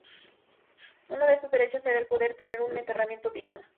Uno de estos derechos será el poder tener un enterramiento digno.